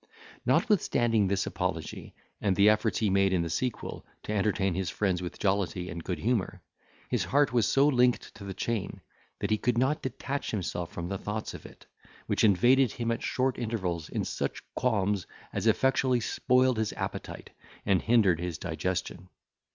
Notwithstanding this apology, and the efforts he made in the sequel to entertain his friends with jollity and good humour, his heart was so linked to the chain, that he could not detach himself from the thoughts of it, which invaded him at short intervals in such qualms as effectually spoiled his appetite, and hindered his digestion.